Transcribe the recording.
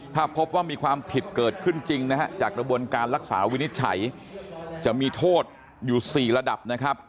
ถ้าพบว่ามีความผิดเกิดขึ้นจริงนะฮะจากกระบวนการรักษาวินิจฉัยจะมีโทษอยู่๔ระดับนะครับ